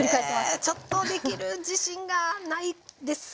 これちょっとできる自信がないですね。